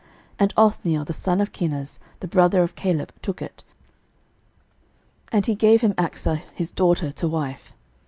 06:015:017 And Othniel the son of Kenaz, the brother of Caleb, took it: and he gave him Achsah his daughter to wife.